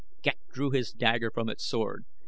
Ghek drew his dagger from its sheath.